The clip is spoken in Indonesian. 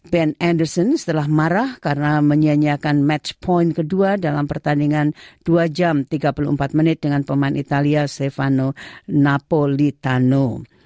band enderson setelah marah karena menyianyiakan match point kedua dalam pertandingan dua jam tiga puluh empat menit dengan pemain italia stefano napolitano